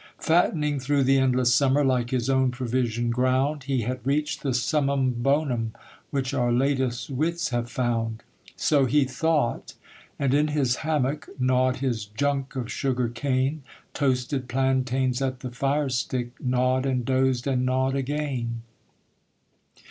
Fattening through the endless summer, Like his own provision ground, He had reached the summum bonum Which our latest wits have found. So he thought; and in his hammock Gnawed his junk of sugar cane, Toasted plantains at the fire stick, Gnawed, and dozed, and gnawed again.